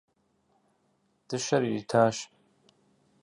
Дыщэр иритащ.